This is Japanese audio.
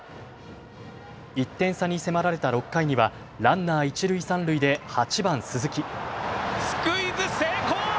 １点差に迫られた６回にはランナー、一塁三塁で８番・鈴木。